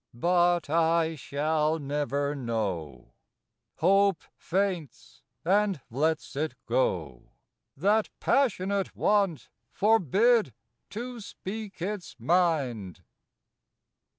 But I shall never know, Hope faints, and lets it go, That passionate want forbid to speak its mind.